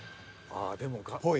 ああでも。